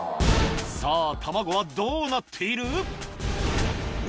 さぁ卵はどうなっている？